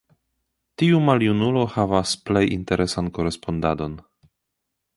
Tiu maljunulo havas plej interesan korespondadon.